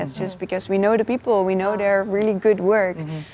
hanya karena kami mengenali orang orang kami mengenali kerja mereka yang sangat baik